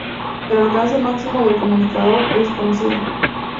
El alcance máximo del comunicador es desconocido.